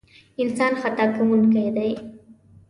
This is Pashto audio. انسان خطا کوونکی دی.